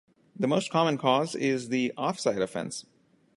The most common cause is the offside offence.